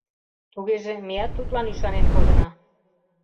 Тугеже, меат тудлан ӱшанен кодына.